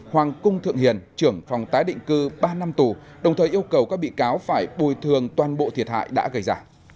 hoàng cung thượng hiền trưởng phòng tái định cư ba năm tù đồng thời yêu cầu các bị cáo phải bồi thường toàn bộ thiệt hại đã gây ra